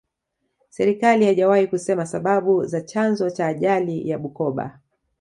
serikali haijawahi kusema sababu za chanzo cha ajali ya bukoka